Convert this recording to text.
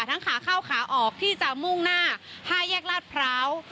ขาเข้าขาออกที่จะมุ่งหน้า๕แยกลาดพร้าว